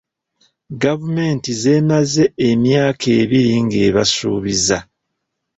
Gavumenti z'emaze emyaka ebiri ng'ebasuubiza.